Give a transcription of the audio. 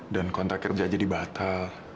dan kontrak kerja aja dibatal